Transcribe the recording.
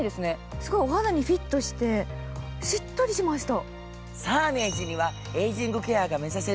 すごいお肌にフィットしてしっとりしました。